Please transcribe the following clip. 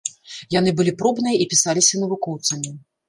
Яны былі пробныя і пісаліся навукоўцамі.